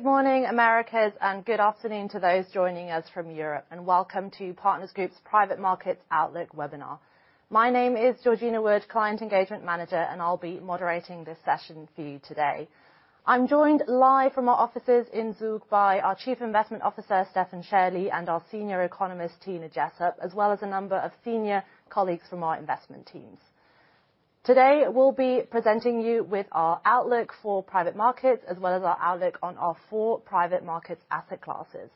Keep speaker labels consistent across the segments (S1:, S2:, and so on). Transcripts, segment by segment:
S1: Good morning, Americas, and good afternoon to those joining us from Europe, and welcome to Partners Group's Private Markets Outlook Webinar. My name is Georgina Wood, Client Engagement Manager, and I'll be moderating this session for you today. I'm joined live from our offices in Zug by our Chief Investment Officer, Stephan Schäli, and our senior economist, Tina Jessop, as well as a number of senior colleagues from our investment teams. Today, we'll be presenting you with our outlook for private markets, as well as our outlook on our four private markets asset classes.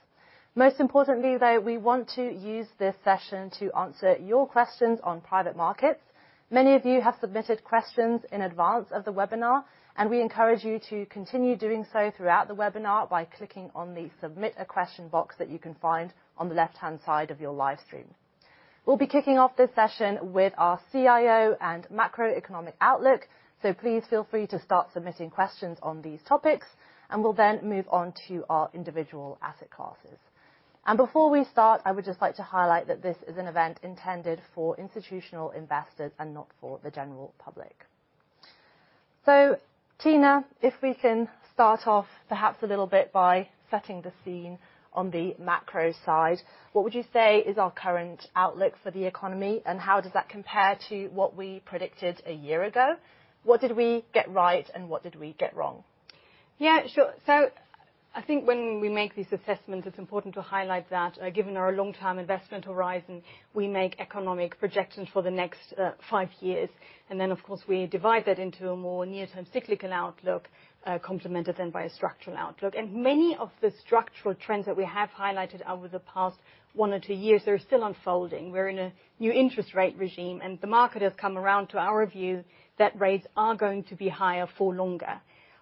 S1: Most importantly, though, we want to use this session to answer your questions on private markets. Many of you have submitted questions in advance of the webinar, and we encourage you to continue doing so throughout the webinar by clicking on the Submit a Question box that you can find on the left-hand side of your live stream. We'll be kicking off this session with our CIO and macroeconomic outlook, so please feel free to start submitting questions on these topics, and we'll then move on to our individual asset classes. Before we start, I would just like to highlight that this is an event intended for institutional investors and not for the general public. So, Tina, if we can start off perhaps a little bit by setting the scene on the macro side. What would you say is our current outlook for the economy, and how does that compare to what we predicted a year ago? What did we get right, and what did we get wrong?
S2: Yeah, sure. So I think when we make these assessments, it's important to highlight that, given our long-term investment horizon, we make economic projections for the next 5 years. And then, of course, we divide that into a more near-term cyclical outlook, complemented then by a structural outlook. And many of the structural trends that we have highlighted over the past 1 or 2 years are still unfolding. We're in a new interest rate regime, and the market has come around to our view that rates are going to be higher for longer.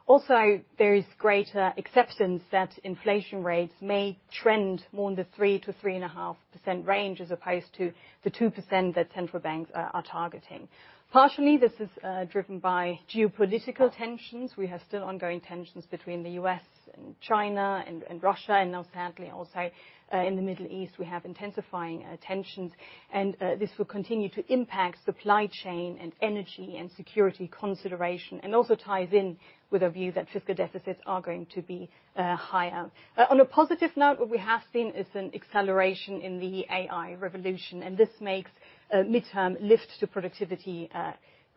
S2: Also, there is greater acceptance that inflation rates may trend more in the 3%-3.5% range, as opposed to the 2% that central banks are targeting. Partially, this is driven by geopolitical tensions. We have still ongoing tensions between the U.S. and China and Russia, and now sadly, also, in the Middle East, we have intensifying tensions. This will continue to impact supply chain and energy and security consideration, and also ties in with a view that fiscal deficits are going to be higher. On a positive note, what we have seen is an acceleration in the AI revolution, and this makes a midterm lift to productivity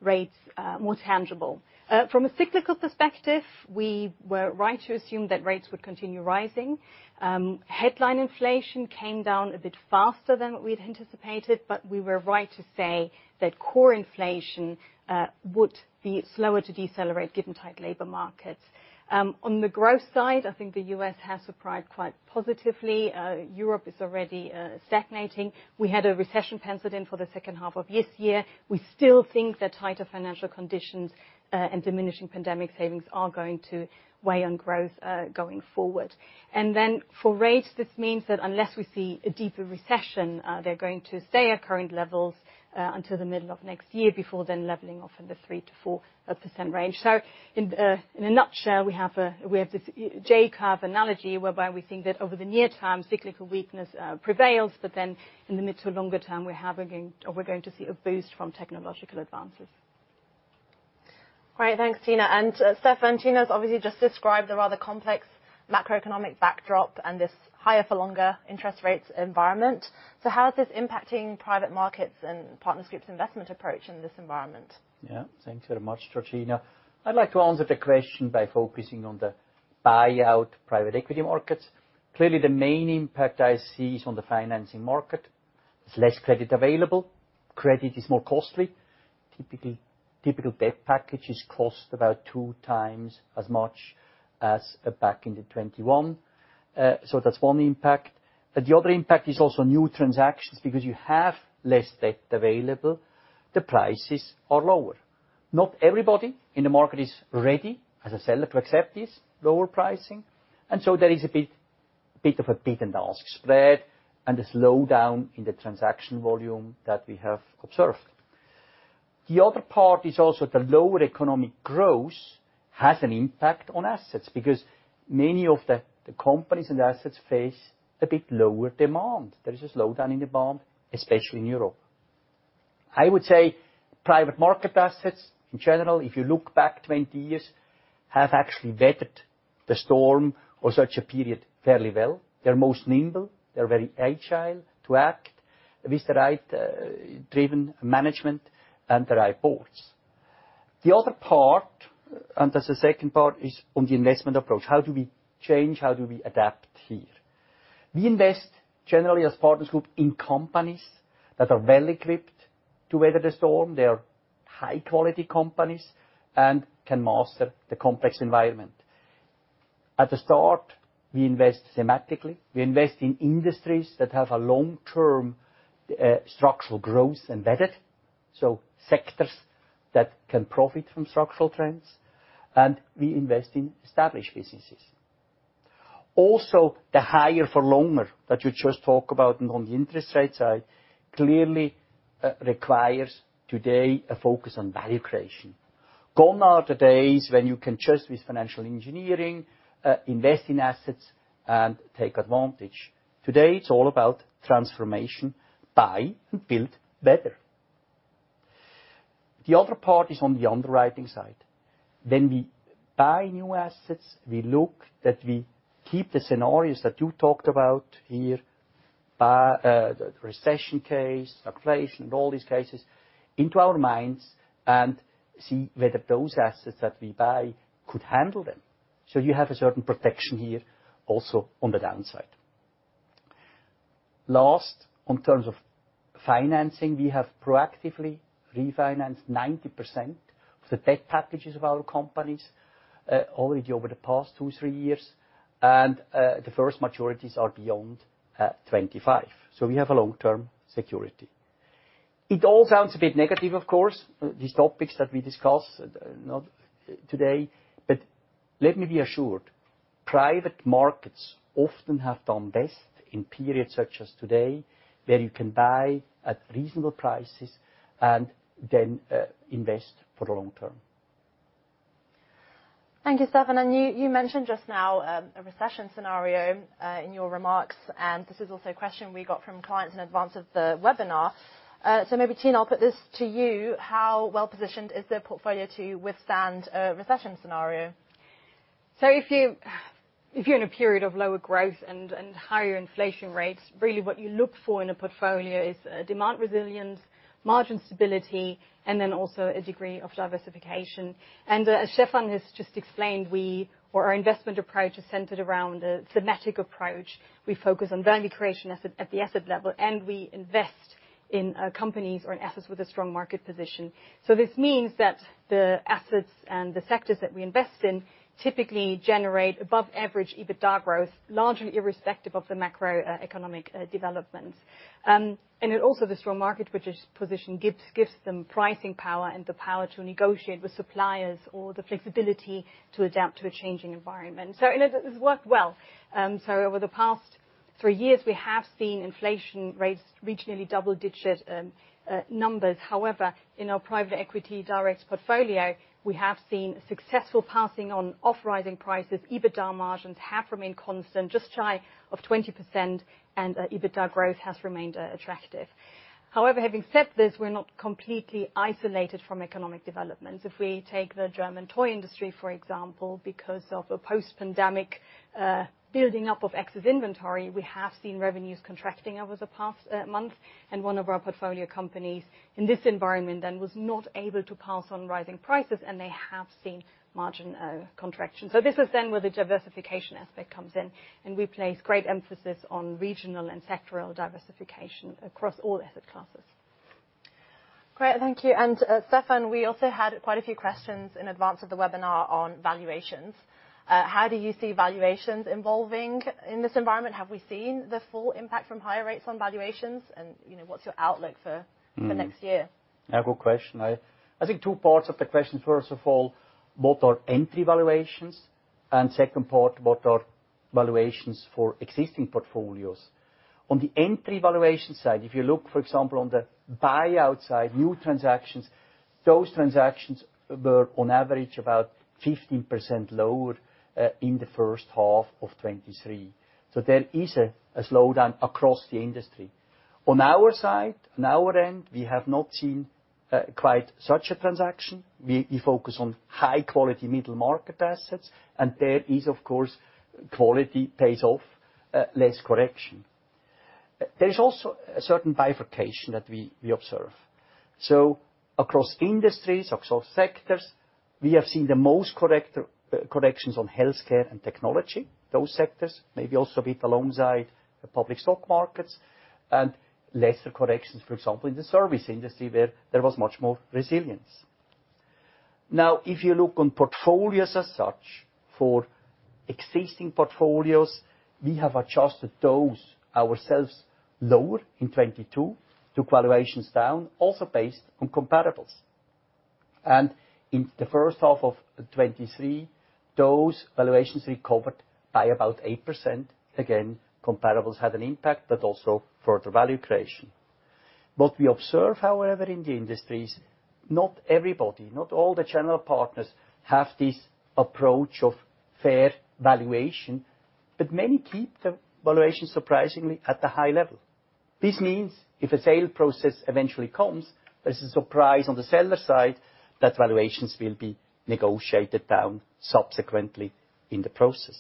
S2: rates more tangible. From a cyclical perspective, we were right to assume that rates would continue rising. Headline inflation came down a bit faster than what we'd anticipated, but we were right to say that core inflation would be slower to decelerate, given tight labor markets. On the growth side, I think the U.S. has surprised quite positively. Europe is already stagnating. We had a recession penciled in for the second half of this year. We still think that tighter financial conditions and diminishing pandemic savings are going to weigh on growth going forward. And then for rates, this means that unless we see a deeper recession, they're going to stay at current levels until the middle of next year, before then leveling off in the 3%-4% range. So in a nutshell, we have this J-curve analogy, whereby we think that over the near term, cyclical weakness prevails, but then in the mid to longer term, we're going to see a boost from technological advances.
S1: Great. Thanks, Tina. And, Stephan, Tina's obviously just described a rather complex macroeconomic backdrop and this higher for longer interest rates environment. So how is this impacting private markets and Partners Group's investment approach in this environment?
S3: Yeah, thanks very much, Georgina. I'd like to answer the question by focusing on the buyout private equity markets. Clearly, the main impact I see is on the financing market. There's less credit available. Credit is more costly. Typical debt packages cost about two times as much as back in 2021. So that's one impact, but the other impact is also new transactions. Because you have less debt available, the prices are lower. Not everybody in the market is ready, as a seller, to accept this lower pricing, and so there is a bit of a bid and ask spread and a slowdown in the transaction volume that we have observed. The other part is also the lower economic growth has an impact on assets, because many of the companies and assets face a bit lower demand. There is a slowdown in demand, especially in Europe. I would say private market assets, in general, if you look back 20 years, have actually weathered the storm or such a period fairly well. They're most nimble. They're very agile to act with the right, driven management and the right boards. The other part, and as the second part, is on the investment approach. How do we change? How do we adapt here? We invest, generally as Partners Group, in companies that are well-equipped to weather the storm. They are high-quality companies and can master the complex environment. At the start, we invest thematically. We invest in industries that have a long-term, structural growth embedded, so sectors that can profit from structural trends, and we invest in established businesses. Also, the higher for longer, that you just talk about on the interest rate side, clearly requires today a focus on value creation. Gone are the days when you can just, with financial engineering, invest in assets and take advantage. Today, it's all about transformation, buy and build better.... The other part is on the underwriting side. When we buy new assets, we look that we keep the scenarios that you talked about here, the recession case, inflation, all these cases, into our minds and see whether those assets that we buy could handle them. So you have a certain protection here also on the downside. Last, on terms of financing, we have proactively refinanced 90% of the debt packages of our companies already over the past 2-3 years, and the first maturities are beyond 2025. So we have a long-term security. It all sounds a bit negative, of course, these topics that we discuss, not today, but let me be assured, private markets often have done best in periods such as today, where you can buy at reasonable prices and then, invest for the long term.
S1: Thank you, Stephan. You mentioned just now a recession scenario in your remarks, and this is also a question we got from clients in advance of the webinar. Maybe, Tina, I'll put this to you: How well-positioned is the portfolio to withstand a recession scenario?
S2: If you're in a period of lower growth and higher inflation rates, really what you look for in a portfolio is demand resilience, margin stability, and then also a degree of diversification. As Stephan has just explained, our investment approach is centered around a thematic approach. We focus on value creation at the asset level, and we invest in companies or in assets with a strong market position. This means that the assets and the sectors that we invest in typically generate above average EBITDA growth, largely irrespective of the macroeconomic developments. The strong market position gives them pricing power and the power to negotiate with suppliers or the flexibility to adapt to a changing environment. This has worked well. Over the past three years, we have seen inflation rates reach nearly double-digit numbers. However, in our private equity direct portfolio, we have seen successful passing on of rising prices. EBITDA margins have remained constant, just shy of 20%, and EBITDA growth has remained attractive. However, having said this, we're not completely isolated from economic developments. If we take the German toy industry, for example, because of a post-pandemic building up of excess inventory, we have seen revenues contracting over the past month. One of our portfolio companies in this environment was not able to pass on rising prices, and they have seen margin contraction. This is where the diversification aspect comes in, and we place great emphasis on regional and sectoral diversification across all asset classes.
S1: Great, thank you. And, Stephan, we also had quite a few questions in advance of the webinar on valuations. How do you see valuations evolving in this environment? Have we seen the full impact from higher rates on valuations? And, you know, what's your outlook for-
S3: Mm...
S1: for next year?
S3: A good question. I think two parts of the question. First of all, what are entry valuations? And second part, what are valuations for existing portfolios. On the entry valuation side, if you look, for example, on the buyout side, new transactions, those transactions were on average about 15% lower in the first half of 2023. So there is a slowdown across the industry. On our side, on our end, we have not seen quite such a transaction. We focus on high-quality middle-market assets, and there is, of course, quality pays off, less correction. There is also a certain bifurcation that we observe. So across industries, across sectors, we have seen the most correct corrections on healthcare and technology. Those sectors, maybe also a bit alongside the public stock markets, and lesser corrections, for example, in the service industry, where there was much more resilience. Now, if you look on portfolios as such, for existing portfolios, we have adjusted those ourselves lower in 2022 to valuations down, also based on comparables. In the first half of 2023, those valuations recovered by about 8%. Again, comparables had an impact, but also further value creation. What we observe, however, in the industries, not everybody, not all the general partners have this approach of fair valuation, but many keep the valuation, surprisingly, at a high level. This means if a sale process eventually comes, there's a surprise on the seller side that valuations will be negotiated down subsequently in the process.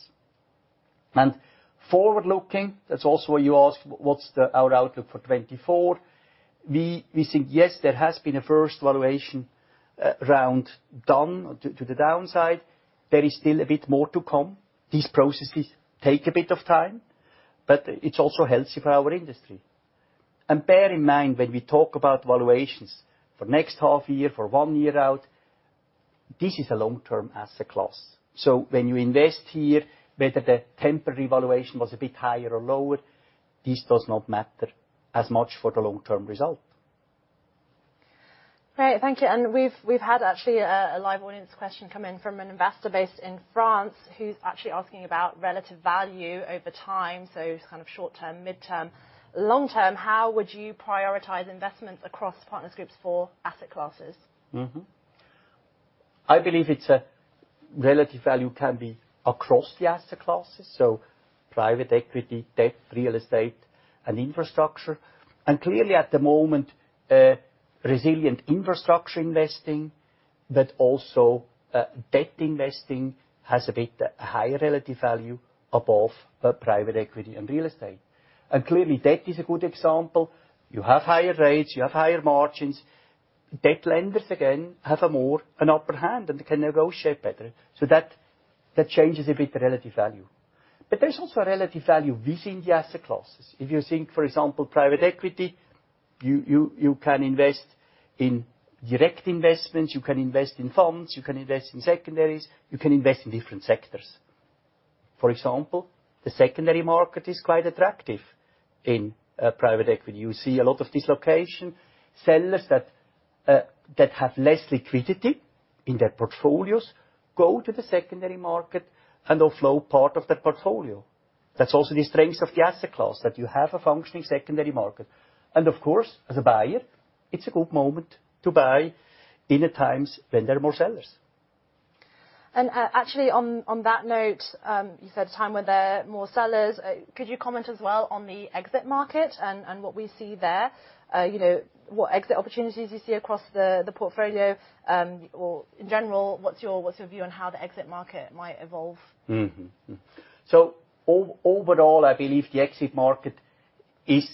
S3: Forward-looking, that's also where you ask, what's the- our outlook for 2024? We think, yes, there has been a first valuation round down to the downside. There is still a bit more to come. These processes take a bit of time, but it's also healthy for our industry. Bear in mind, when we talk about valuations for next half year, for one year out, this is a long-term asset class. When you invest here, whether the temporary valuation was a bit higher or lower, this does not matter as much for the long-term result.
S1: Great, thank you. And we've had actually a live audience question come in from an investor based in France, who's actually asking about relative value over time. So kind of short term, mid-term, long term, how would you prioritize investments across Partners Group's asset classes?
S3: Mm-hmm. I believe it's a relative value can be across the asset classes, so private equity, debt, real estate, and infrastructure. And clearly, at the moment, resilient infrastructure investing, but also, debt investing has a bit higher relative value above, private equity and real estate. And clearly, debt is a good example. You have higher rates, you have higher margins. Debt lenders, again, have a more, an upper hand and can negotiate better. So that changes a bit the relative value. But there's also a relative value within the asset classes. If you think, for example, private equity, you can invest in direct investments, you can invest in funds, you can invest in secondaries, you can invest in different sectors. For example, the secondary market is quite attractive in, private equity. You see a lot of dislocation. Sellers that have less liquidity in their portfolios go to the secondary market and offload part of their portfolio. That's also the strength of the asset class, that you have a functioning secondary market. And of course, as a buyer, it's a good moment to buy in the times when there are more sellers.
S1: Actually, on that note, you said a time where there are more sellers. Could you comment as well on the exit market and what we see there? You know, what exit opportunities you see across the portfolio? Or in general, what's your view on how the exit market might evolve?
S3: So overall, I believe the exit market is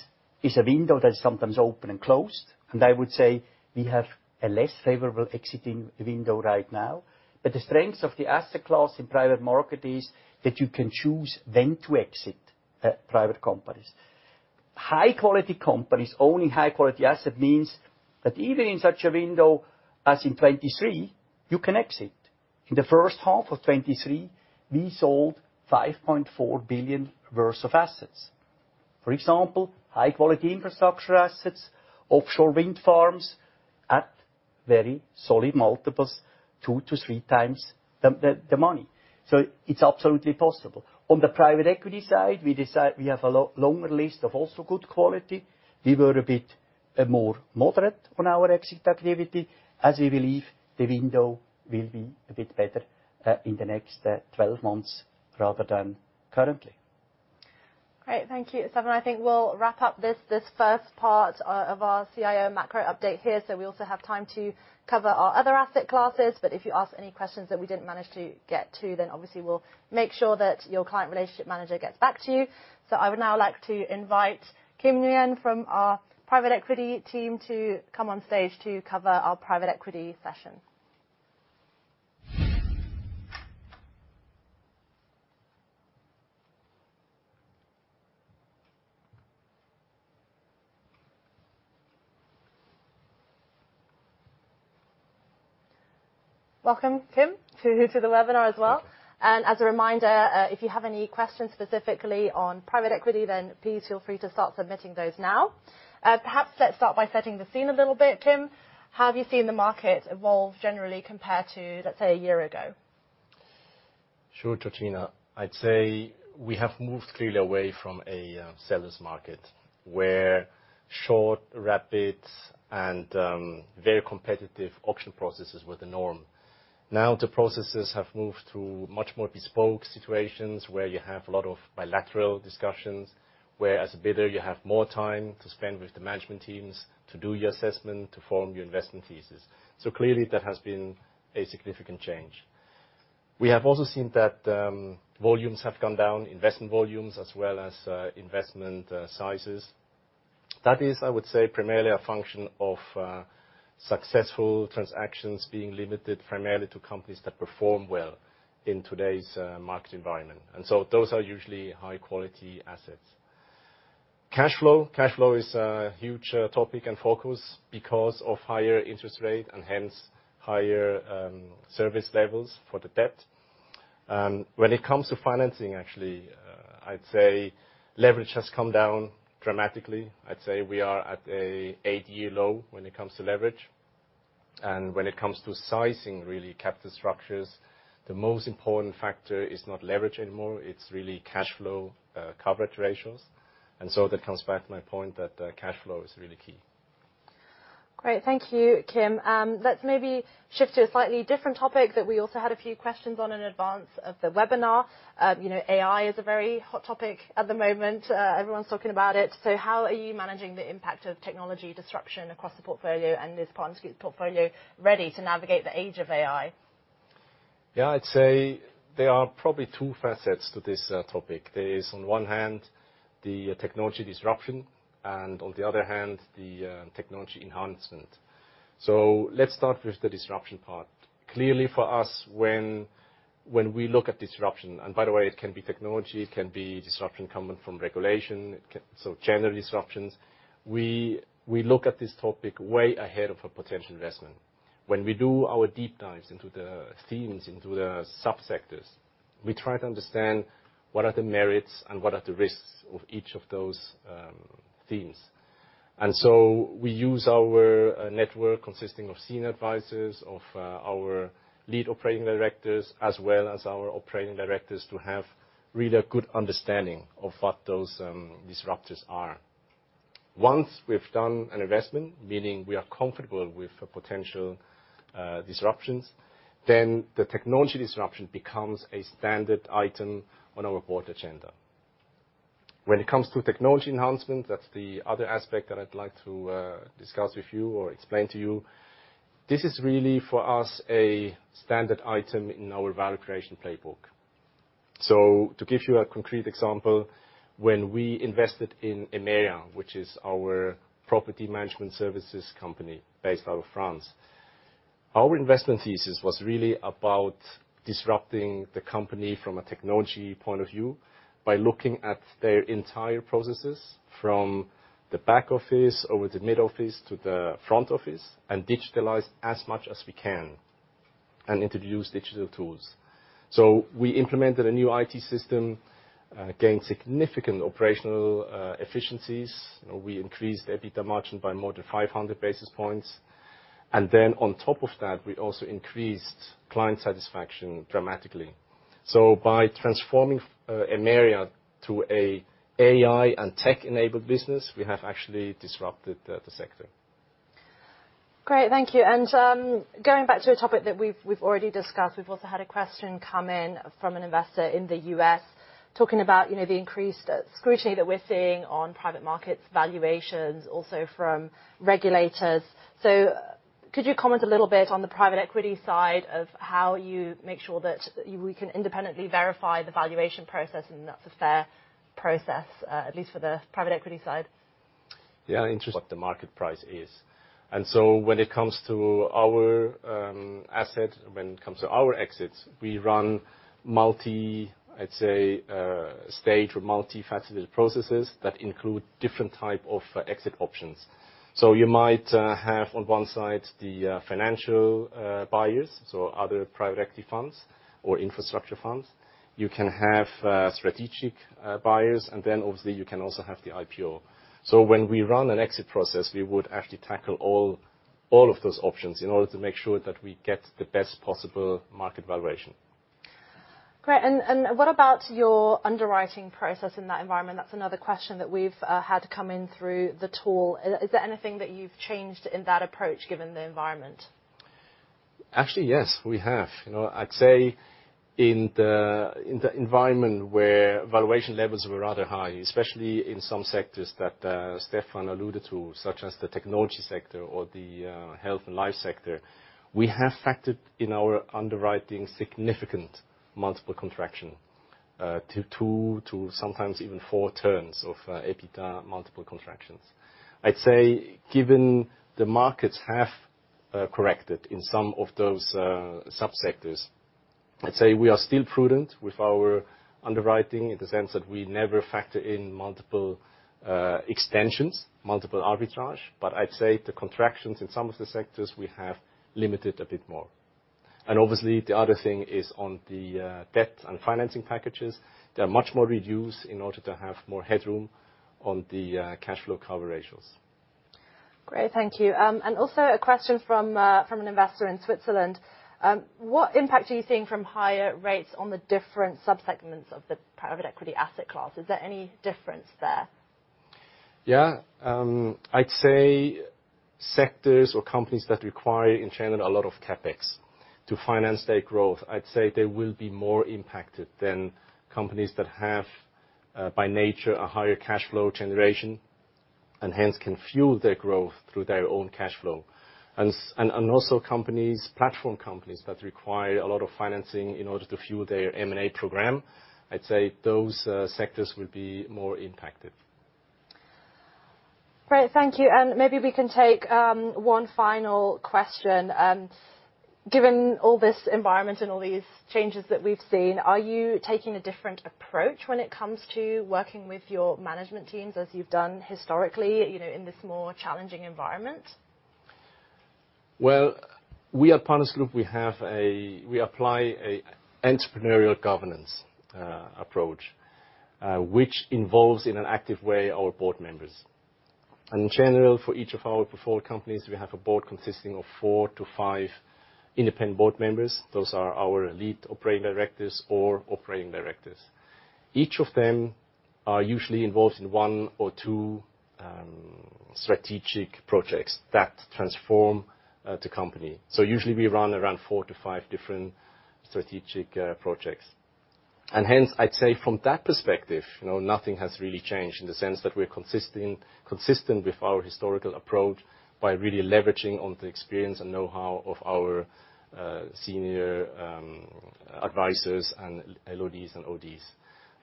S3: a window that is sometimes open and closed, and I would say we have a less favorable exiting window right now. But the strength of the asset class in private market is that you can choose when to exit private companies. High-quality companies owning high-quality asset means that even in such a window as in 2023, you can exit. In the first half of 2023, we sold $5.4 billion worth of assets. For example, high-quality infrastructure assets, offshore wind farms at very solid multiples, 2-3 times the money. So it's absolutely possible. On the private equity side, we have a longer list of also good quality. We were a bit more moderate on our exit activity, as we believe the window will be a bit better in the next 12 months rather than currently.
S1: Great. Thank you, Stephan. I think we'll wrap up this first part of our CIO macro update here, so we also have time to cover our other asset classes. But if you ask any questions that we didn't manage to get to, then obviously we'll make sure that your client relationship manager gets back to you. So I would now like to invite Kim Nguyen from our private equity team to come on stage to cover our private equity session. Welcome, Kim, to the webinar as well. And as a reminder, if you have any questions specifically on private equity, then please feel free to start submitting those now. Perhaps let's start by setting the scene a little bit, Kim. How have you seen the market evolve generally compared to, let's say, a year ago?
S4: Sure, Georgina. I'd say we have moved clearly away from a seller's market, where short, rapid, and very competitive auction processes were the norm. Now, the processes have moved through much more bespoke situations, where you have a lot of bilateral discussions, where as a bidder, you have more time to spend with the management teams to do your assessment, to form your investment thesis. So clearly, that has been a significant change. We have also seen that volumes have gone down, investment volumes as well as investment sizes. That is, I would say, primarily a function of successful transactions being limited primarily to companies that perform well in today's market environment, and so those are usually high-quality assets. Cash flow. Cash flow is a huge topic and focus because of higher interest rate and hence higher service levels for the debt. When it comes to financing, actually, I'd say leverage has come down dramatically. I'd say we are at an eight-year low when it comes to leverage. And when it comes to sizing, really, capital structures, the most important factor is not leverage anymore, it's really cash flow coverage ratios, and so that comes back to my point that cash flow is really key.
S1: Great. Thank you, Kim. Let's maybe shift to a slightly different topic that we also had a few questions on in advance of the webinar. You know, AI is a very hot topic at the moment. Everyone's talking about it. So how are you managing the impact of technology disruption across the portfolio, and is Partners Group portfolio ready to navigate the age of AI?
S4: Yeah, I'd say there are probably two facets to this, topic. There is, on one hand, the technology disruption, and on the other hand, the, technology enhancement. So let's start with the disruption part. Clearly, for us, when we look at disruption, and by the way, it can be technology, it can be disruption coming from regulation, it can.... So general disruptions. We look at this topic way ahead of a potential investment. When we do our deep dives into the themes, into the subsectors, we try to understand what are the merits and what are the risks of each of those, themes. And so we use our network, consisting of senior advisors, of, our Lead Operating Directors, as well as our Operating Directors, to have really a good understanding of what those, disruptors are.... Once we've done an investment, meaning we are comfortable with the potential disruptions, then the technology disruption becomes a standard item on our board agenda. When it comes to technology enhancement, that's the other aspect that I'd like to discuss with you or explain to you. This is really, for us, a standard item in our value creation playbook. So to give you a concrete example, when we invested in Emeria, which is our property management services company based out of France, our investment thesis was really about disrupting the company from a technology point of view by looking at their entire processes, from the back office, over the mid-office, to the front office, and digitalize as much as we can, and introduce digital tools. So we implemented a new IT system, gained significant operational efficiencies. You know, we increased EBITDA margin by more than 500 basis points. And then on top of that, we also increased client satisfaction dramatically. So by transforming, Emeria to a AI and tech-enabled business, we have actually disrupted the sector.
S1: Great, thank you. And, going back to a topic that we've, we've already discussed, we've also had a question come in from an investor in the U.S. talking about, you know, the increased scrutiny that we're seeing on private markets valuations, also from regulators. So could you comment a little bit on the private equity side of how you make sure that you-- we can independently verify the valuation process, and that's a fair process, at least for the private equity side?
S4: Yeah, interest... What the market price is. So when it comes to our assets, when it comes to our exits, we run multi, I'd say, stage or multifaceted processes that include different type of exit options. So you might have, on one side, the financial buyers, so other private equity funds or infrastructure funds. You can have strategic buyers, and then, obviously, you can also have the IPO. So when we run an exit process, we would actually tackle all of those options in order to make sure that we get the best possible market valuation.
S1: Great, and what about your underwriting process in that environment? That's another question that we've had come in through the tool. Is there anything that you've changed in that approach, given the environment?
S4: Actually, yes, we have. You know, I'd say in the, in the environment where valuation levels were rather high, especially in some sectors that, Stephan alluded to, such as the technology sector or the, health and life sector, we have factored in our underwriting significant multiple contraction, to 2, to sometimes even 4 terms of, EBITDA multiple contractions. I'd say, given the markets have, corrected in some of those, subsectors, I'd say we are still prudent with our underwriting in the sense that we never factor in multiple, extensions, multiple arbitrage, but I'd say the contractions in some of the sectors we have limited a bit more. And obviously, the other thing is on the, debt and financing packages, they are much more reduced in order to have more headroom on the, cash flow cover ratios.
S1: Great, thank you. And also a question from an investor in Switzerland. What impact are you seeing from higher rates on the different subsegments of the private equity asset class? Is there any difference there?
S4: Yeah, I'd say sectors or companies that require, in general, a lot of CapEx to finance their growth, I'd say they will be more impacted than companies that have, by nature, a higher cash flow generation, and hence, can fuel their growth through their own cash flow. And also companies, platform companies that require a lot of financing in order to fuel their M&A program, I'd say those sectors will be more impacted.
S1: Great, thank you. Maybe we can take one final question. Given all this environment and all these changes that we've seen, are you taking a different approach when it comes to working with your management teams as you've done historically, you know, in this more challenging environment?
S4: Well, we at Partners Group, we have a-- we apply an entrepreneurial governance approach, which involves, in an active way, our board members. And in general, for each of our portfolio companies, we have a board consisting of four to five independent board members. Those are our Lead Operating Directors or Operating Directors. Each of them are usually involved in one or two strategic projects that transform the company. So usually, we run around four to five different strategic projects. And hence, I'd say from that perspective, you know, nothing has really changed in the sense that we're consistent with our historical approach by really leveraging on the experience and know-how of our senior advisors and LODs and ODs.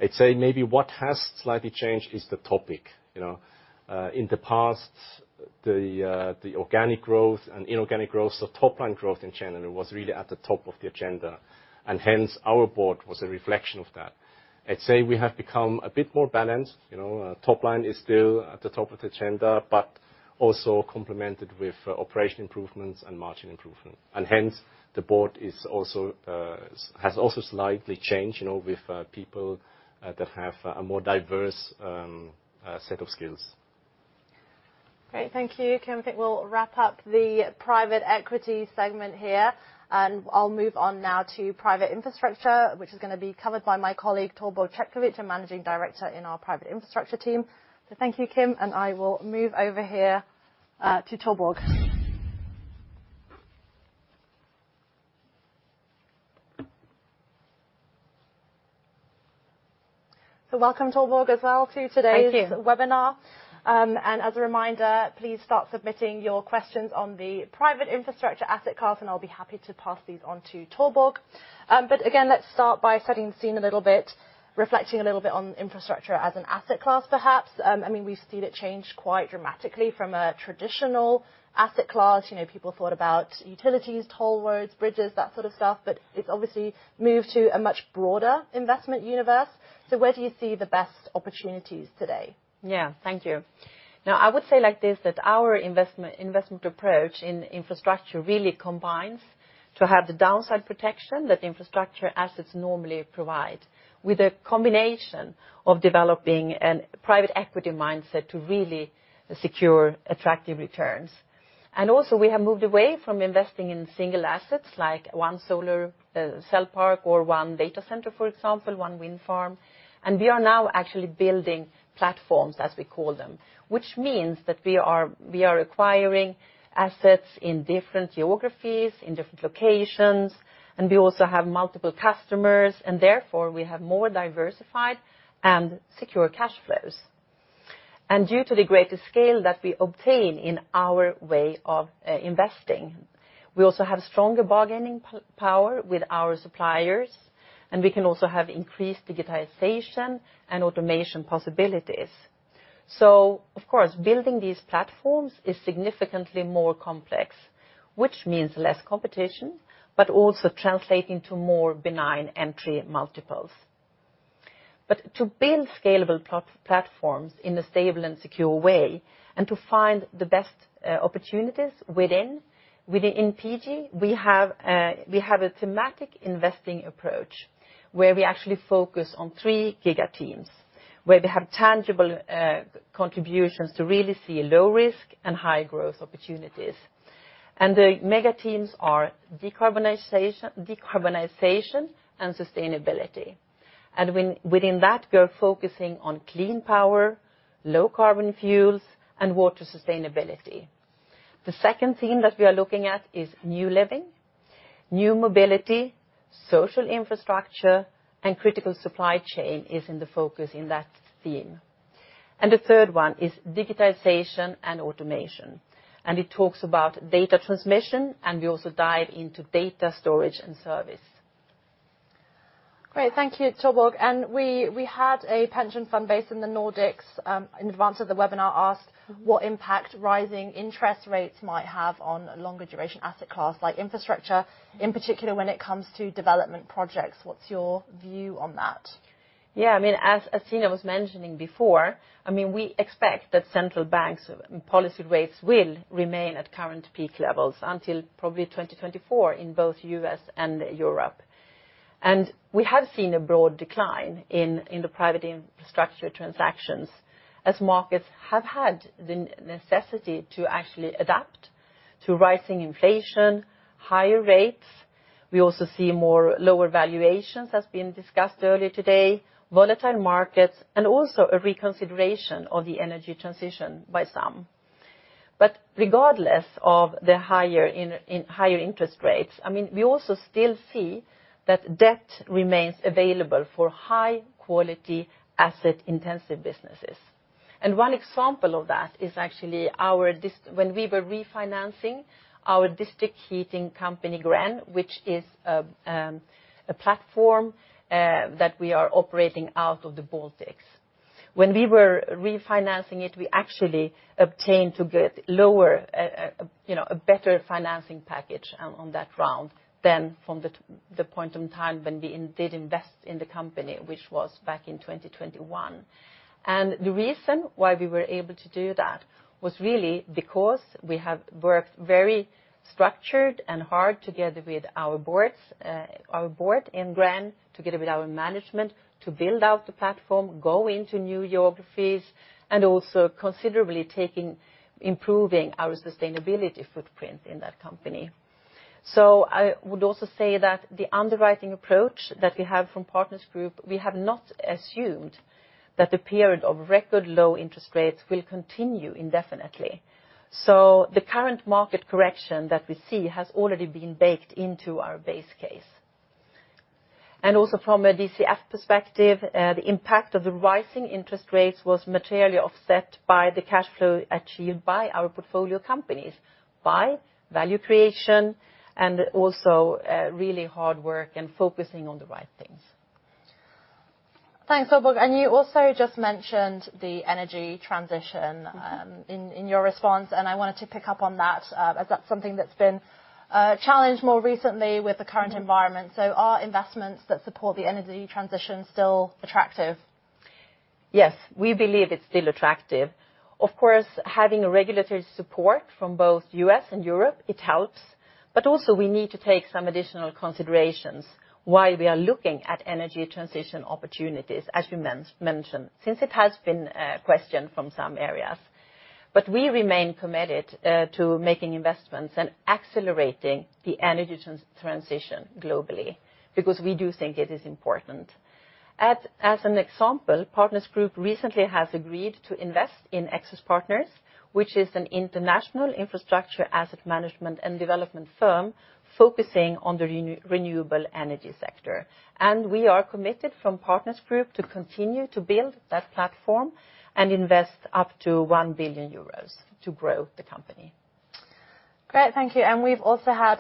S4: I'd say maybe what has slightly changed is the topic. You know, in the past, the organic growth and inorganic growth, so top-line growth in general, was really at the top of the agenda, and hence, our board was a reflection of that. I'd say we have become a bit more balanced. You know, top line is still at the top of the agenda, but also complemented with operation improvements and margin improvement. Hence, the board has also slightly changed, you know, with people that have a more diverse set of skills....
S1: Great. Thank you, Kim. I think we'll wrap up the private equity segment here, and I'll move on now to private infrastructure, which is gonna be covered by my colleague, Torborg Chetkovich, a managing director in our private infrastructure team. So thank you, Kim, and I will move over here to Torborg. So welcome, Torborg, as well, to today's-
S5: Thank you.
S1: -webinar. And as a reminder, please start submitting your questions on the private infrastructure asset class, and I'll be happy to pass these on to Torborg. But again, let's start by setting the scene a little bit, reflecting a little bit on infrastructure as an asset class, perhaps. I mean, we've seen it change quite dramatically from a traditional asset class. You know, people thought about utilities, toll roads, bridges, that sort of stuff, but it's obviously moved to a much broader investment universe. So where do you see the best opportunities today?
S5: Yeah, thank you. Now, I would say like this, that our investment approach in infrastructure really combines to have the downside protection that infrastructure assets normally provide, with a combination of developing a private equity mindset to really secure attractive returns. Also, we have moved away from investing in single assets, like one solar cell park or one data center, for example, one wind farm, and we are now actually building platforms, as we call them. Which means that we are acquiring assets in different geographies, in different locations, and we also have multiple customers, and therefore, we have more diversified and secure cash flows. Due to the greater scale that we obtain in our way of investing, we also have stronger bargaining power with our suppliers, and we can also have increased digitization and automation possibilities. Of course, building these platforms is significantly more complex, which means less competition, but also translating to more benign entry multiples. To build scalable platforms in a stable and secure way, and to find the best opportunities within NPG, we have a thematic investing approach, where we actually focus on three Giga Themes, where they have tangible contributions to really see low-risk and high-growth opportunities. The Mega Themes are decarbonization, decarbonization and sustainability. Within that, we are focusing on clean power, low-carbon fuels, and water sustainability. The second theme that we are looking at is new living. New mobility, social infrastructure, and critical supply chain is in the focus in that theme. The third one is digitization and automation, and it talks about data transmission, and we also dive into data storage and service.
S1: Great. Thank you, Torborg. And we had a pension fund based in the Nordics, in advance of the webinar, asked what impact rising interest rates might have on longer duration asset class, like infrastructure, in particular, when it comes to development projects. What's your view on that?
S5: Yeah, I mean, as Tina was mentioning before, I mean, we expect that central banks' policy rates will remain at current peak levels until probably 2024 in both U.S. and Europe. And we have seen a broad decline in the private infrastructure transactions, as markets have had the necessity to actually adapt to rising inflation, higher rates. We also see more lower valuations, as been discussed earlier today, volatile markets, and also a reconsideration of the energy transition by some. But regardless of the higher interest rates, I mean, we also still see that debt remains available for high-quality, asset-intensive businesses. And one example of that is actually when we were refinancing our district heating company, Gren, which is a platform that we are operating out of the Baltics. When we were refinancing it, we actually obtained to get lower, you know, a better financing package on that round than from the point in time when we did invest in the company, which was back in 2021. The reason why we were able to do that was really because we have worked very structured and hard together with our boards, our board in Gren, together with our management, to build out the platform, go into new geographies, and also considerably taking... improving our sustainability footprint in that company. I would also say that the underwriting approach that we have from Partners Group, we have not assumed that the period of record low interest rates will continue indefinitely. The current market correction that we see has already been baked into our base case. And also from a DCF perspective, the impact of the rising interest rates was materially offset by the cash flow achieved by our portfolio companies, by value creation, and also, really hard work and focusing on the right things.
S1: Thanks, Torborg. You also just mentioned the energy transition-
S5: Mm-hmm.
S1: in your response, and I wanted to pick up on that, as that's something that's been challenged more recently with the current environment. So are investments that support the energy transition still attractive?
S5: Yes, we believe it's still attractive. Of course, having a regulatory support from both U.S. and Europe, it helps. But also we need to take some additional considerations while we are looking at energy transition opportunities, as we mentioned, since it has been questioned from some areas. But we remain committed to making investments and accelerating the energy transition globally, because we do think it is important. As an example, Partners Group recently has agreed to invest in Exus Partners, which is an international infrastructure, asset management, and development firm focusing on the renewable energy sector. And we are committed from Partners Group to continue to build that platform and invest up to 1 billion euros to grow the company.
S1: Great, thank you. And we've also had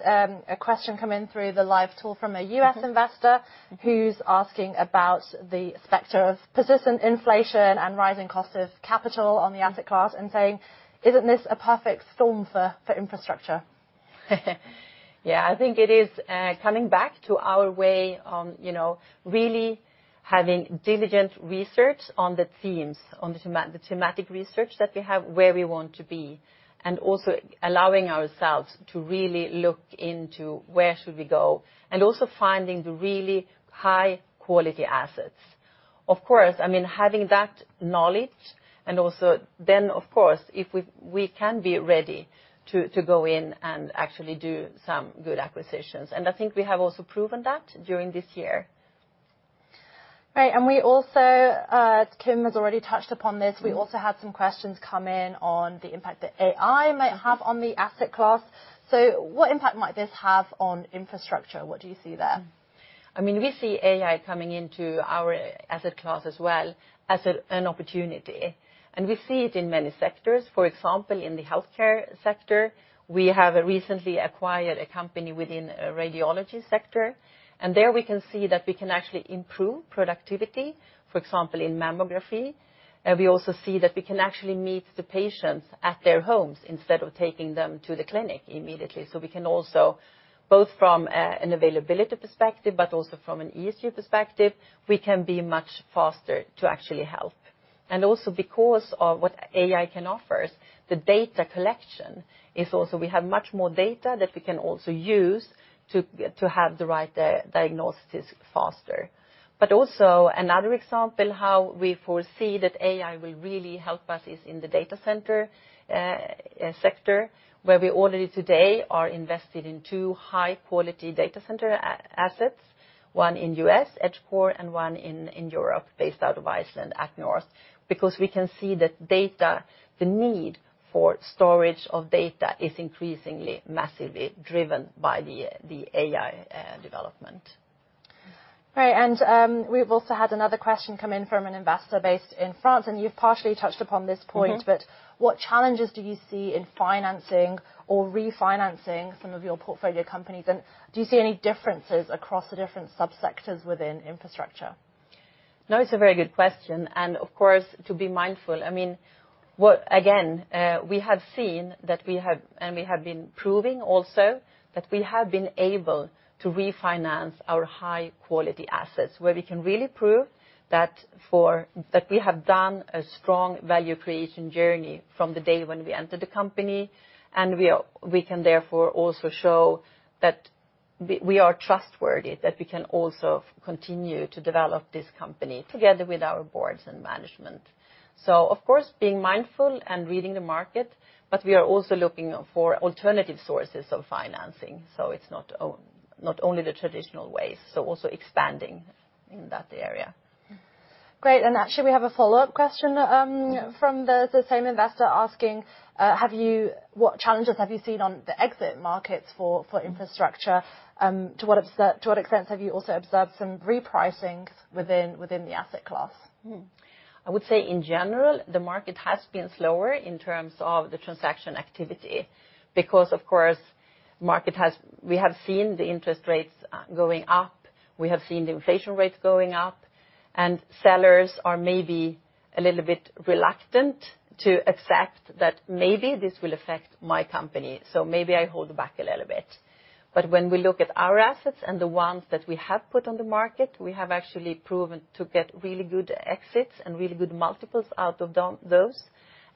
S1: a question come in through the live tool from a U.S. investor-
S5: Mm-hmm.
S1: who's asking about the specter of persistent inflation and rising costs of capital on the asset class, and saying: "Isn't this a perfect storm for infrastructure?
S5: Yeah, I think it is coming back to our way on, you know, really having diligent research on the themes, on the thematic research that we have, where we want to be, and also allowing ourselves to really look into where should we go, and also finding the really high-quality assets. Of course, I mean, having that knowledge and also... Then, of course, if we can be ready to go in and actually do some good acquisitions, and I think we have also proven that during this year.
S1: Right, and we also, Kim has already touched upon this, we also had some questions come in on the impact that AI might have on the asset class. So what impact might this have on infrastructure? What do you see there?
S5: I mean, we see AI coming into our asset class as well as an opportunity, and we see it in many sectors. For example, in the healthcare sector, we have recently acquired a company within a radiology sector, and there we can see that we can actually improve productivity, for example, in mammography. We also see that we can actually meet the patients at their homes instead of taking them to the clinic immediately. So we can also, both from an availability perspective, but also from an issue perspective, we can be much faster to actually help. And also because of what AI can offer us, the data collection is also, we have much more data that we can also use to have the right diagnosis faster. But also, another example how we foresee that AI will really help us is in the data center sector, where we already today are invested in two high-quality data center assets, one in U.S., Edgecore, and one in Europe, based out of Iceland, atNorth. Because we can see that data, the need for storage of data, is increasingly massively driven by the AI development.
S1: Right, and, we've also had another question come in from an investor based in France, and you've partially touched upon this point.
S5: Mm-hmm.
S1: What challenges do you see in financing or refinancing some of your portfolio companies? Do you see any differences across the different subsectors within infrastructure?
S5: No, it's a very good question and, of course, to be mindful. I mean, again, we have seen that we have, and we have been proving also, that we have been able to refinance our high-quality assets, where we can really prove that we have done a strong value creation journey from the day when we entered the company, and we can therefore also show that we are trustworthy, that we can also continue to develop this company together with our boards and management. So of course, being mindful and reading the market, but we are also looking for alternative sources of financing, so it's not only the traditional ways, so also expanding in that area.
S1: Great, and actually, we have a follow-up question from the same investor, asking: "What challenges have you seen on the exit markets for infrastructure? To what extent have you also observed some repricings within the asset class?
S5: I would say, in general, the market has been slower in terms of the transaction activity. Because, of course, market has... We have seen the interest rates going up, we have seen the inflation rates going up, and sellers are maybe a little bit reluctant to accept that maybe this will affect my company, so maybe I hold back a little bit. When we look at our assets and the ones that we have put on the market, we have actually proven to get really good exits and really good multiples out of those.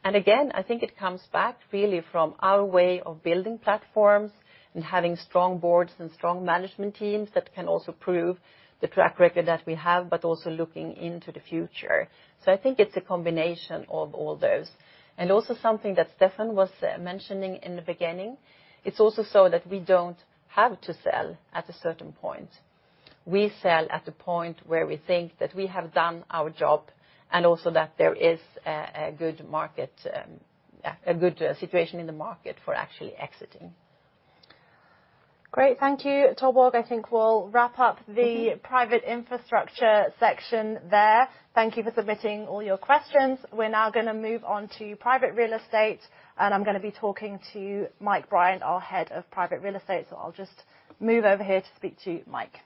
S5: Again, I think it comes back really from our way of building platforms and having strong boards and strong management teams that can also prove the track record that we have, but also looking into the future. I think it's a combination of all those. Also, something that Stephan was mentioning in the beginning, it's also so that we don't have to sell at a certain point. We sell at the point where we think that we have done our job, and also that there is a good market, a good situation in the market for actually exiting.
S1: Great. Thank you, Torborg. I think we'll wrap up the-
S5: Mm-hmm...
S1: private infrastructure section there. Thank you for submitting all your questions. We're now gonna move on to private real estate, and I'm gonna be talking to Mike Bryant, our Head of Private Real Estate. So I'll just move over here to speak to Mike.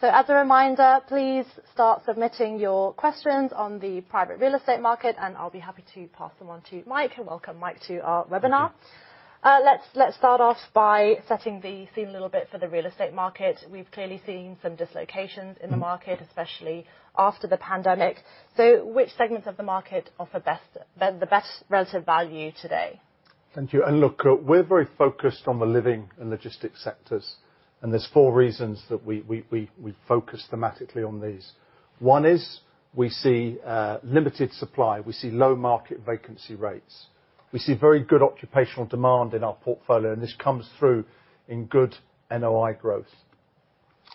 S1: So as a reminder, please start submitting your questions on the private real estate market, and I'll be happy to pass them on to Mike, and welcome Mike to our webinar. Let's start off by setting the scene a little bit for the real estate market. We've clearly seen some dislocations in the market, especially after the pandemic. So which segments of the market offer the best relative value today?
S6: Thank you. And look, we're very focused on the living and logistics sectors, and there's four reasons that we focus thematically on these. One is we see limited supply. We see low market vacancy rates. We see very good occupational demand in our portfolio, and this comes through in good NOI growth.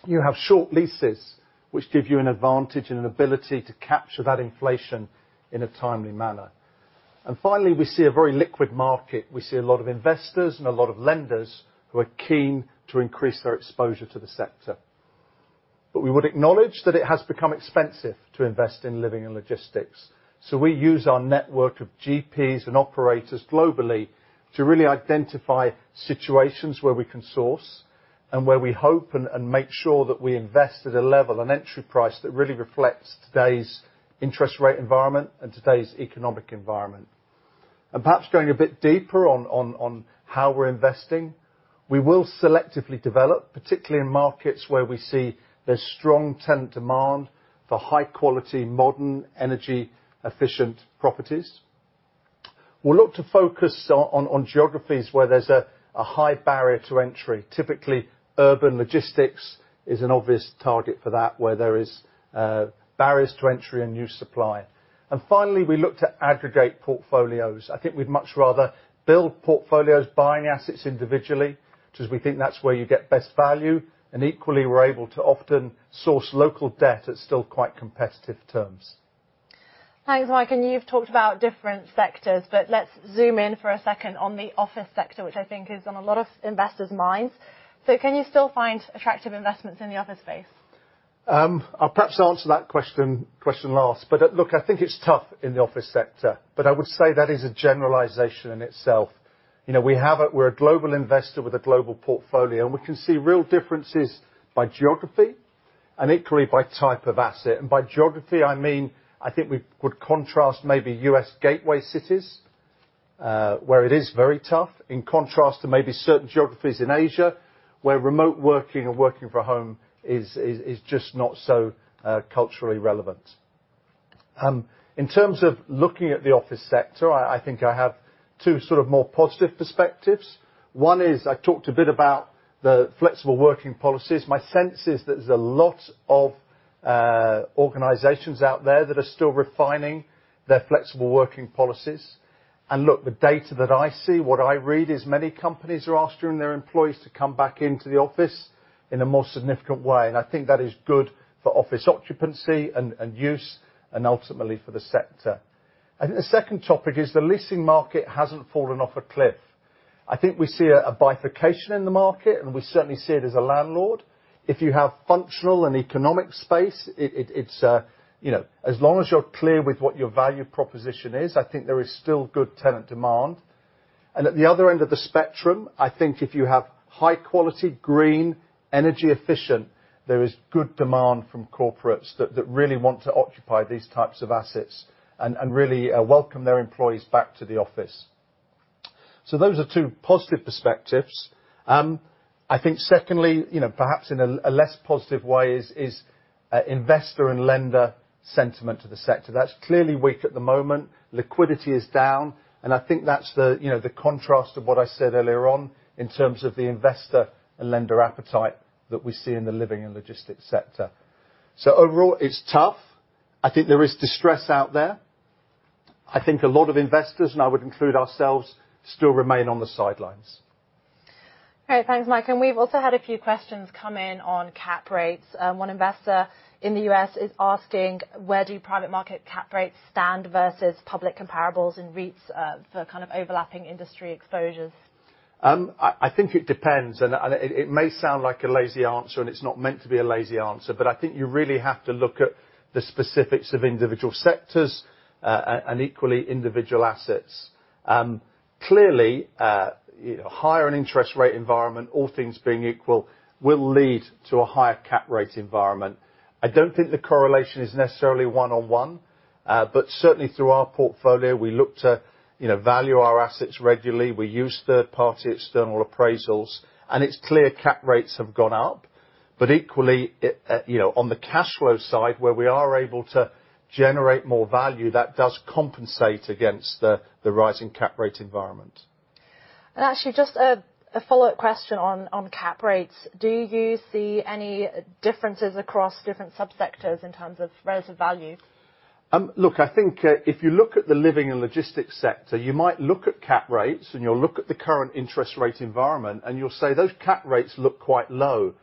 S6: You have short leases, which give you an advantage and an ability to capture that inflation in a timely manner. And finally, we see a very liquid market. We see a lot of investors and a lot of lenders who are keen to increase their exposure to the sector. But we would acknowledge that it has become expensive to invest in living and logistics, so we use our network of GPs and operators globally to really identify situations where we can source and where we hope and make sure that we invest at a level, an entry price, that really reflects today's interest rate environment and today's economic environment. And perhaps going a bit deeper on how we're investing, we will selectively develop, particularly in markets where we see there's strong tenant demand for high quality, modern, energy-efficient properties. We'll look to focus on geographies where there's a high barrier to entry. Typically, urban logistics is an obvious target for that, where there is barriers to entry and new supply. And finally, we look to aggregate portfolios. I think we'd much rather build portfolios buying assets individually, which is we think that's where you get best value, and equally, we're able to often source local debt at still quite competitive terms.
S1: Thanks, Mike, and you've talked about different sectors, but let's zoom in for a second on the office sector, which I think is on a lot of investors' minds. So can you still find attractive investments in the office space?
S6: I'll perhaps answer that question last, but, look, I think it's tough in the office sector, but I would say that is a generalization in itself. You know, we have a-- We're a global investor with a global portfolio, and we can see real differences by geography and equally by type of asset. And by geography, I mean, I think we would contrast maybe U.S. gateway cities, where it is very tough, in contrast to maybe certain geographies in Asia, where remote working or working from home is just not so culturally relevant. In terms of looking at the office sector, I think I have two sort of more positive perspectives. One is, I talked a bit about the flexible working policies. My sense is that there's a lot of organizations out there that are still refining their flexible working policies. And look, the data that I see, what I read, is many companies are asking their employees to come back into the office in a more significant way, and I think that is good for office occupancy and, and use, and ultimately, for the sector. And the second topic is the leasing market hasn't fallen off a cliff. I think we see a bifurcation in the market, and we certainly see it as a landlord. If you have functional and economic space, it, it's, you know, as long as you're clear with what your value proposition is, I think there is still good tenant demand. At the other end of the spectrum, I think if you have high quality, green, energy efficient, there is good demand from corporates that really want to occupy these types of assets and really welcome their employees back to the office. So those are two positive perspectives. I think secondly, you know, perhaps in a less positive way, is investor and lender sentiment to the sector. That's clearly weak at the moment. Liquidity is down, and I think that's the, you know, the contrast of what I said earlier on in terms of the investor and lender appetite that we see in the living and logistics sector. So overall, it's tough. I think there is distress out there. I think a lot of investors, and I would include ourselves, still remain on the sidelines.
S1: Great. Thanks, Mike. We've also had a few questions come in on cap rates. One investor in the U.S. is asking, where do private market cap rates stand versus public comparables in REITs, for kind of overlapping industry exposures?
S6: I think it depends, and it may sound like a lazy answer, and it's not meant to be a lazy answer, but I think you really have to look at the specifics of individual sectors, and equally, individual assets. Clearly, higher an interest rate environment, all things being equal, will lead to a higher cap rate environment. I don't think the correlation is necessarily one-on-one, but certainly through our portfolio, we look to, you know, value our assets regularly. We use third-party external appraisals, and it's clear cap rates have gone up. But equally, you know, on the cash flow side, where we are able to generate more value, that does compensate against the rising cap rate environment.
S1: Actually, just a follow-up question on cap rates. Do you see any differences across different subsectors in terms of relative value?
S6: Look, I think, if you look at the living and logistics sector, you might look at cap rates, and you'll look at the current interest rate environment, and you'll say, those cap rates look quite low.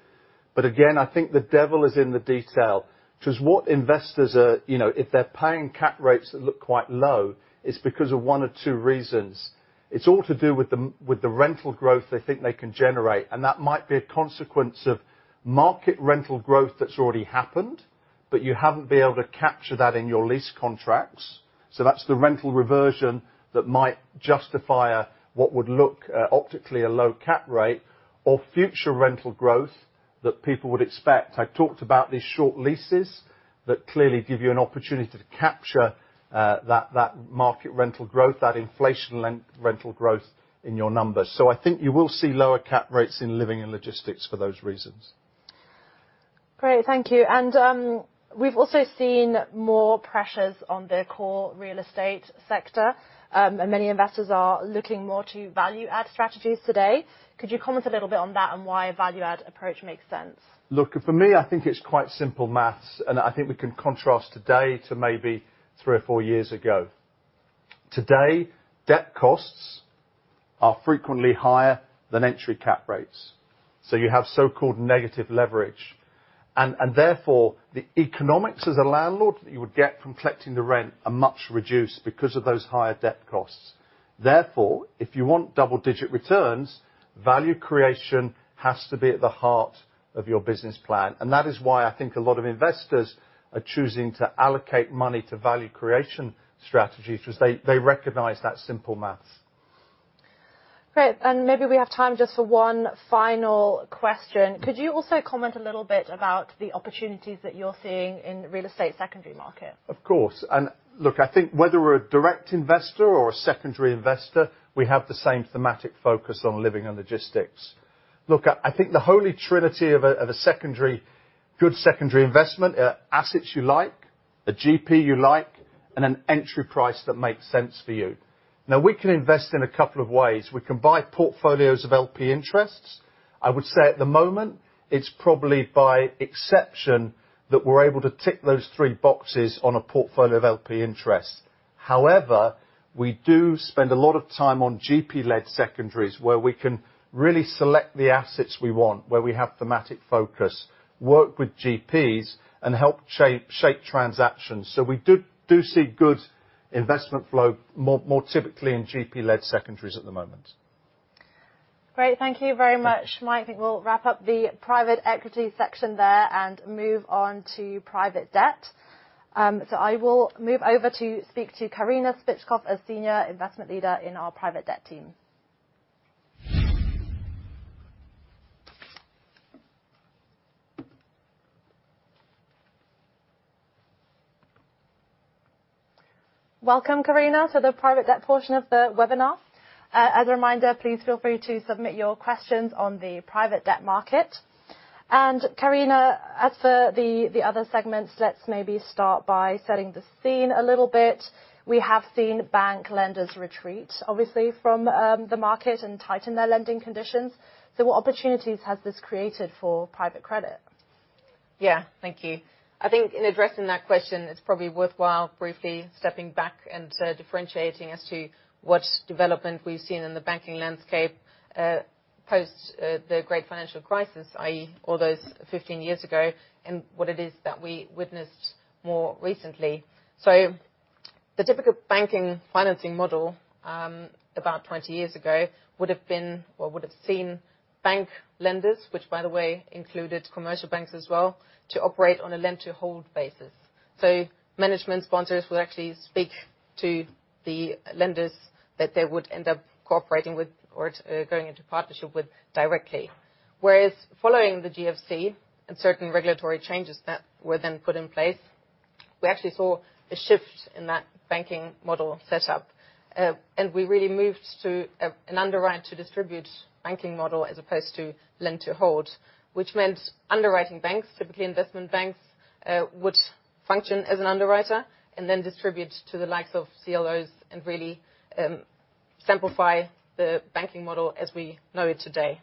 S6: But again, I think the devil is in the detail, which is what investors are... You know, if they're paying cap rates that look quite low, it's because of one of two reasons. It's all to do with the, with the rental growth they think they can generate, and that might be a consequence of market rental growth that's already happened.... but you haven't been able to capture that in your lease contracts, so that's the rental reversion that might justify a, what would look, optically, a low cap rate or future rental growth that people would expect. I talked about these short leases that clearly give you an opportunity to capture that market rental growth, that inflation rental growth in your numbers. So I think you will see lower cap rates in living and logistics for those reasons.
S1: Great, thank you. And, we've also seen more pressures on the core real estate sector, and many investors are looking more to value-add strategies today. Could you comment a little bit on that and why a value-add approach makes sense?
S6: Look, for me, I think it's quite simple math, and I think we can contrast today to maybe 3 or 4 years ago. Today, debt costs are frequently higher than entry cap rates, so you have so-called negative leverage. And, and therefore, the economics as a landlord that you would get from collecting the rent are much reduced because of those higher debt costs. Therefore, if you want double-digit returns, value creation has to be at the heart of your business plan. And that is why I think a lot of investors are choosing to allocate money to value creation strategies, because they, they recognize that simple math.
S1: Great, and maybe we have time just for one final question. Could you also comment a little bit about the opportunities that you're seeing in real estate secondary market?
S6: Of course. And look, I think whether we're a direct investor or a secondary investor, we have the same thematic focus on living and logistics. Look, I, I think the holy trinity of a, of a secondary, good secondary investment are assets you like, a GP you like, and an entry price that makes sense for you. Now, we can invest in a couple of ways. We can buy portfolios of LP interests. I would say at the moment, it's probably by exception that we're able to tick those three boxes on a portfolio of LP interests. However, we do spend a lot of time on GP-led secondaries, where we can really select the assets we want, where we have thematic focus, work with GPs, and help shape, shape transactions. So we do, do see good investment flow more, more typically in GP-led secondaries at the moment.
S1: Great. Thank you very much, Mike. I think we'll wrap up the private equity section there and move on to private debt. So I will move over to speak to Carina Spitzkopf, a Senior Investment Leader in our private debt team. Welcome, Carina, to the private debt portion of the webinar. As a reminder, please feel free to submit your questions on the private debt market. And Carina, as for the other segments, let's maybe start by setting the scene a little bit. We have seen bank lenders retreat, obviously, from the market and tighten their lending conditions. So what opportunities has this created for private credit?
S7: Yeah, thank you. I think in addressing that question, it's probably worthwhile briefly stepping back and differentiating as to what development we've seen in the banking landscape post the Great Financial Crisis, i.e., all those 15 years ago, and what it is that we witnessed more recently. So the typical banking financing model about 20 years ago would have been or would have seen bank lenders, which, by the way, included commercial banks as well, to operate on a lend-to-hold basis. So management sponsors would actually speak to the lenders that they would end up cooperating with or going into partnership with directly. Whereas following the GFC and certain regulatory changes that were then put in place, we actually saw a shift in that banking model set up. And we really moved to an underwrite-to-distribute banking model as opposed to lend to hold, which meant underwriting banks, typically investment banks, would function as an underwriter and then distribute to the likes of CLOs and really simplify the banking model as we know it today.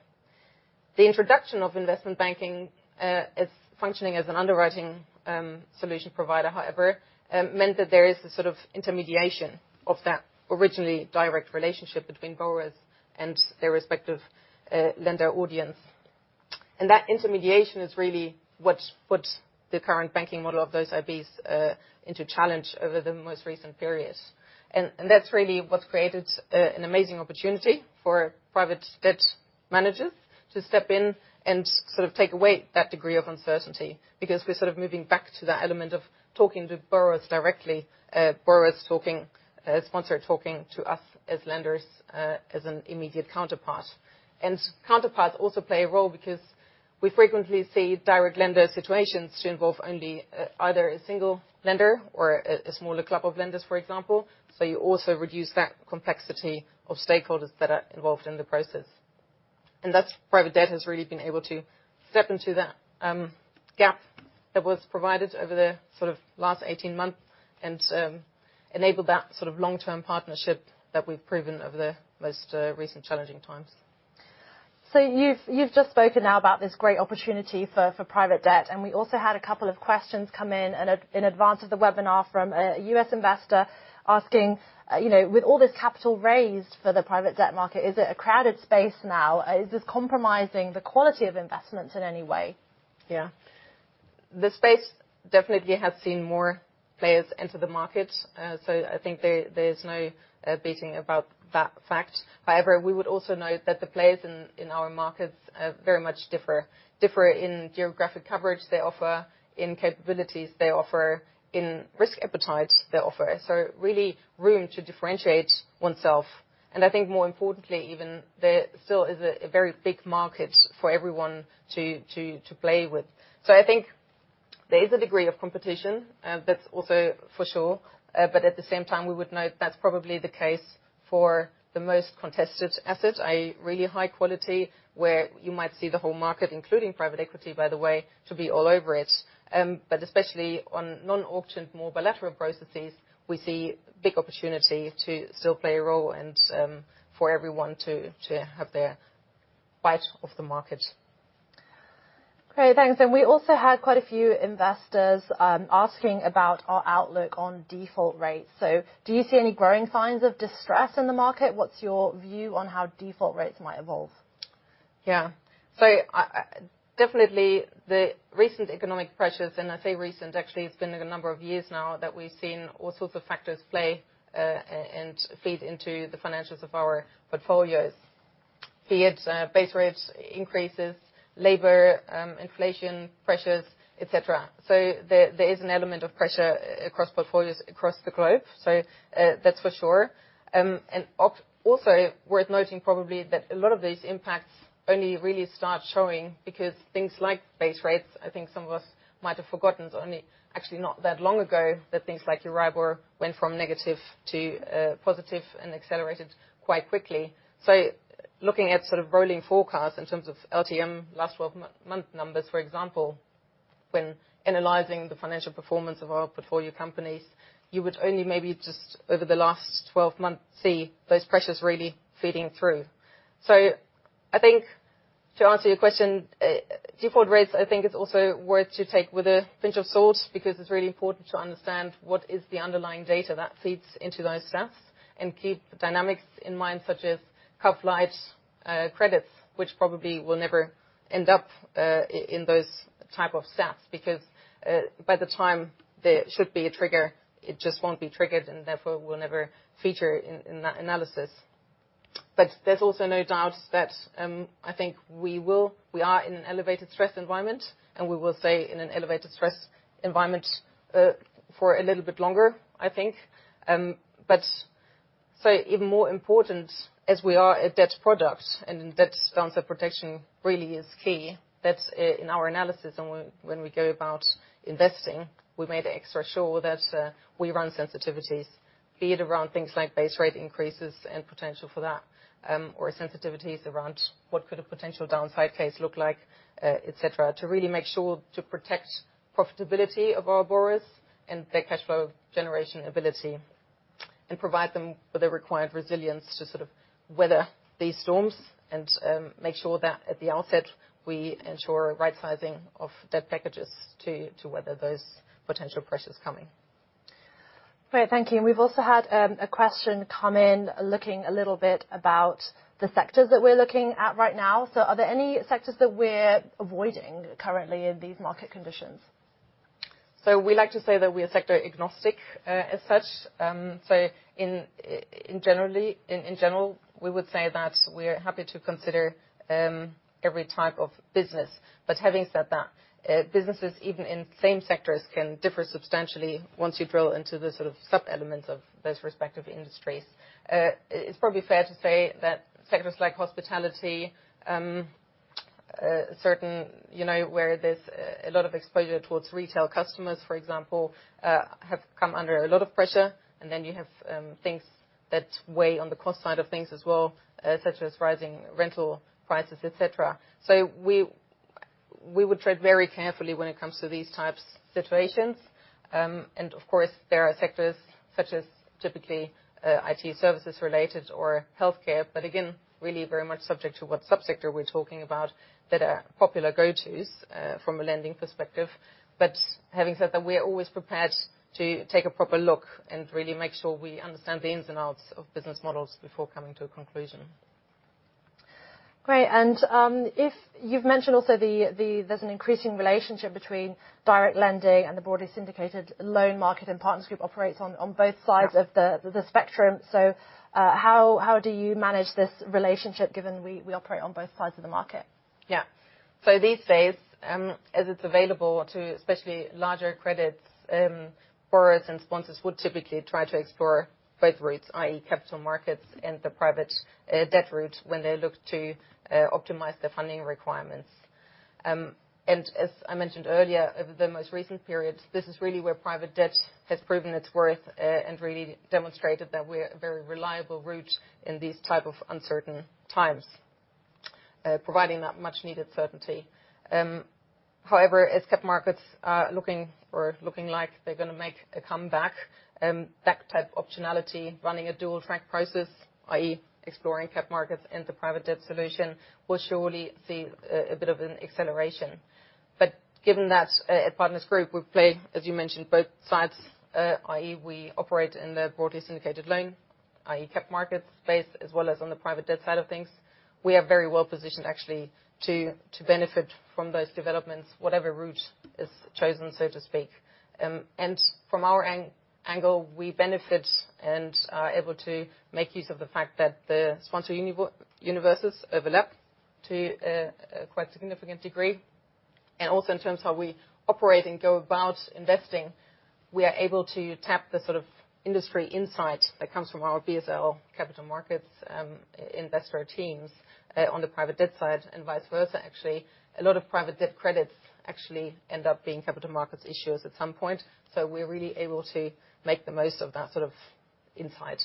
S7: The introduction of investment banking as functioning as an underwriting solution provider, however, meant that there is a sort of intermediation of that originally direct relationship between borrowers and their respective lender audience. And that intermediation is really what, what the current banking model of those IBs into challenge over the most recent period. And that's really what's created an amazing opportunity for private debt managers to step in and sort of take away that degree of uncertainty, because we're sort of moving back to that element of talking to borrowers directly, borrowers talking, sponsor talking to us as lenders, as an immediate counterpart. And counterparts also play a role because we frequently see direct lender situations to involve only either a single lender or a smaller club of lenders, for example. So you also reduce that complexity of stakeholders that are involved in the process. And that's private debt has really been able to step into that gap that was provided over the sort of last 18 months and enable that sort of long-term partnership that we've proven over the most recent challenging times.
S1: So you've just spoken now about this great opportunity for private debt, and we also had a couple of questions come in in advance of the webinar from a U.S. investor asking, you know, "With all this capital raised for the private debt market, is it a crowded space now? Is this compromising the quality of investments in any way?
S7: Yeah. The space definitely has seen more players enter the market. So I think there, there's no debating about that fact. However, we would also note that the players in our markets very much differ in geographic coverage they offer, in capabilities they offer, in risk appetite they offer, so really room to differentiate oneself. And I think more importantly even, there still is a very big market for everyone to play with. So I think there is a degree of competition, that's also for sure. But at the same time, we would note that's probably the case for the most contested asset, a really high quality where you might see the whole market, including private equity, by the way, to be all over it. But especially on non-auction, more bilateral processes, we see big opportunity to still play a role and, for everyone to have their bite of the market.
S1: Great, thanks. And we also had quite a few investors, asking about our outlook on default rates. So do you see any growing signs of distress in the market? What's your view on how default rates might evolve?
S7: Yeah. So I definitely, the recent economic pressures, and I say recent, actually, it's been a number of years now, that we've seen all sorts of factors play, and feed into the financials of our portfolios, be it, base rates, increases, labor, inflation pressures, et cetera. So there is an element of pressure across portfolios across the globe, so, that's for sure. And also worth noting probably, that a lot of these impacts only really start showing because things like base rates, I think some of us might have forgotten, only actually not that long ago, that things like EURIBOR went from negative to, positive and accelerated quite quickly. So looking at sort of rolling forecasts in terms of LTM, last 12-month numbers, for example, when analyzing the financial performance of our portfolio companies, you would only maybe just over the last 12 months see those pressures really feeding through. So I think to answer your question, default rates, I think it's also worth to take with a pinch of salt, because it's really important to understand what is the underlying data that feeds into those stats, and keep the dynamics in mind, such as half-lives, credits, which probably will never end up in those type of stats. Because by the time there should be a trigger, it just won't be triggered, and therefore will never feature in that analysis. But there's also no doubt that, I think we will... We are in an elevated stress environment, and we will stay in an elevated stress environment for a little bit longer, I think. But so even more important, as we are a debt product and debt sponsor, protection really is key. That's in our analysis, and when we go about investing, we made extra sure that we run sensitivities, be it around things like base rate increases and potential for that, or sensitivities around what could a potential downside case look like, et cetera, to really make sure to protect profitability of our borrowers and their cash flow generation ability, and provide them with the required resilience to sort of weather these storms. And make sure that at the outset, we ensure right-sizing of debt packages to weather those potential pressures coming.
S1: Great, thank you. And we've also had a question come in, looking a little bit about the sectors that we're looking at right now. So are there any sectors that we're avoiding currently in these market conditions?
S7: So we like to say that we are sector agnostic, as such. So in general, we would say that we're happy to consider every type of business. But having said that, businesses, even in same sectors, can differ substantially once you drill into the sort of sub-elements of those respective industries. It's probably fair to say that sectors like hospitality, certain, you know, where there's a lot of exposure towards retail customers, for example, have come under a lot of pressure, and then you have things that weigh on the cost side of things as well, such as rising rental prices, et cetera. So we would tread very carefully when it comes to these types of situations. And of course, there are sectors such as typically, IT services related or healthcare, but again, really very much subject to what sub-sector we're talking about, that are popular go-tos, from a lending perspective. But having said that, we are always prepared to take a proper look and really make sure we understand the ins and outs of business models before coming to a conclusion.
S1: Great, and if you've mentioned also the, there's an increasing relationship between direct lending and the broadly syndicated loan market, and Partners Group operates on both sides-
S7: Yeah...
S1: of the spectrum. So, how do you manage this relationship, given we operate on both sides of the market?
S7: Yeah. So these days, as it's available to especially larger credits, borrowers and sponsors would typically try to explore both routes, i.e., capital markets and the private, debt route when they look to, optimize their funding requirements. And as I mentioned earlier, over the most recent periods, this is really where private debt has proven its worth, and really demonstrated that we're a very reliable route in these type of uncertain times, providing that much needed certainty. However, as cap markets are looking like they're gonna make a comeback, that type of optionality, running a dual track process, i.e., exploring cap markets into private debt solution, will surely see, a bit of an acceleration. But given that, at Partners Group, we play, as you mentioned, both sides, i.e., we operate in the broadly syndicated loan, i.e., capital markets space, as well as on the private debt side of things. We are very well positioned, actually, to benefit from those developments, whatever route is chosen, so to speak. And from our angle, we benefit and are able to make use of the fact that the sponsor universes overlap to a quite significant degree. And also in terms of how we operate and go about investing, we are able to tap the sort of industry insight that comes from our BSL capital markets investor teams on the private debt side, and vice versa. Actually, a lot of private debt credits actually end up being capital markets issuers at some point, so we're really able to make the most of that sort of insight.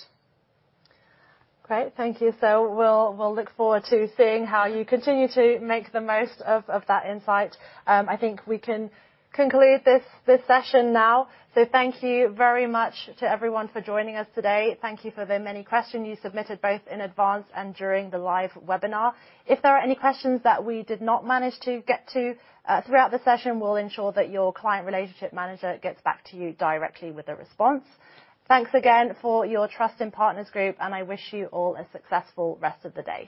S1: Great, thank you. So we'll, we'll look forward to seeing how you continue to make the most of, of that insight. I think we can conclude this, this session now. So thank you very much to everyone for joining us today. Thank you for the many questions you submitted, both in advance and during the live webinar. If there are any questions that we did not manage to get to, throughout the session, we'll ensure that your client relationship manager gets back to you directly with a response. Thanks again for your trust in Partners Group, and I wish you all a successful rest of the day.